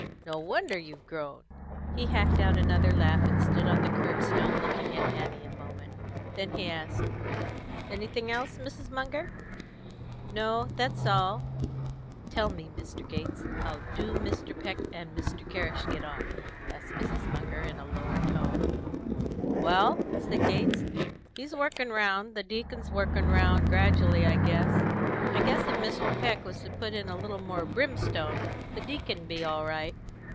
No wonder you've grown!" He hacked out another laugh, and stood on the curb stone looking at Annie a moment. Then he asked, "Anything else, Mrs. Munger?" "No; that's all. Tell me, Mr. Gates, how do Mr. Peck and Mr. Gerrish get on?" asked Mrs. Munger in a lower tone. "Well," said Gates, "he's workin' round the deacon's workin' round gradually, I guess. I guess if Mr. Peck was to put in a little more brimstone, the deacon'd be all right.